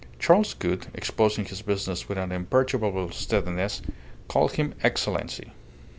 Charles Gould, exposing his business with an imperturbable steadiness, called him Excellency.